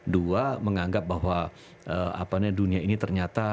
dua menganggap bahwa dunia ini ternyata